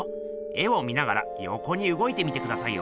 絵を見ながらよこにうごいてみてくださいよ。